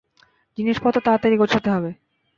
জিনিসপত্র তাড়াতাড়ি গোছাতে হবে।